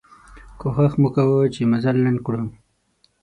کوښښ مو کوه چې مزل لنډ کړو.